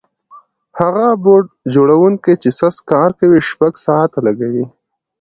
هغه بوټ جوړونکی چې سست کار کوي شپږ ساعته لګوي.